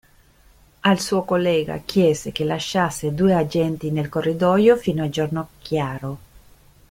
Al suo collega chiese che lasciasse due agenti nel corridoio fino a giorno chiaro.